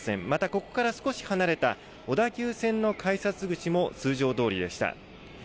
また、ここから少し離れた小田急線の改札口も通常どおりでした。